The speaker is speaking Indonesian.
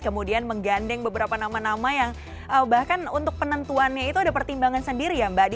kemudian menggandeng beberapa nama nama yang bahkan untuk penentuannya itu ada pertimbangan sendiri ya mbak adi